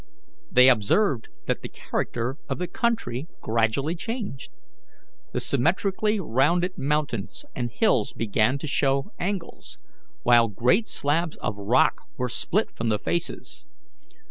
They observed that the character of the country gradually changed. The symmetrically rounded mountains and hills began to show angles, while great slabs of rock were split from the faces.